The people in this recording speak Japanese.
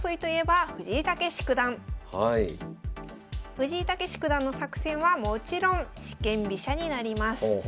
藤井猛九段の作戦はもちろん四間飛車になります。